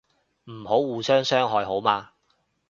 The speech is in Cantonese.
唔好互相傷害好嗎